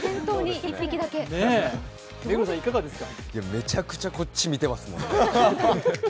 めちゃくちゃこっち見てますね。